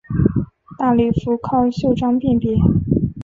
大礼服靠袖章辨别。